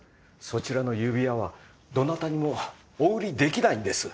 そちらの指輪はどなたにもお売りできないんです。